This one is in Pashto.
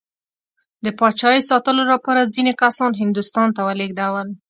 د پاچایۍ ساتلو لپاره ځینې کسان هندوستان ته ولېږدول.